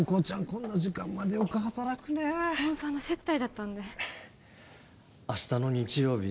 こんな時間までよく働くねスポンサーの接待だったんで明日の日曜日